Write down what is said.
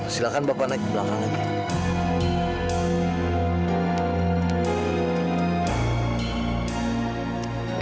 silahkan bapak naik ke belakang lagi